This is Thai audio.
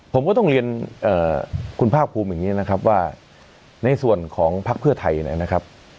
ผมก็ต้องเรียนคุณภาคภูมิอย่างนี้นะครับว่าในส่วนของภักดิ์เพื่อไทยนะครับ